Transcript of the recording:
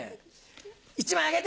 １枚あげて！